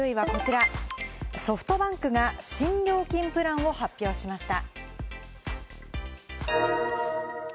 そして９位はこちら、ソフトバンクが新料金プランを発表しました。